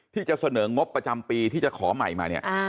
ที่จะเสนองบประจำปีที่จะขอใหม่มาเนี่ย